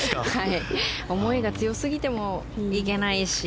思いが強すぎてもいけないし。